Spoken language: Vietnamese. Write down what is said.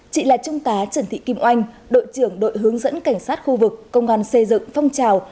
chị là trung tá trần thị kim oanh đội trưởng đội hướng dẫn cảnh sát khu vực công an xây dựng phong trào